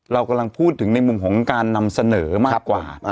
เรากำลังพูดถึงในมุมของการนำเสนอมากกว่า